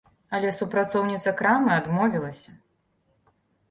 Але супрацоўніца крамы адмовілася.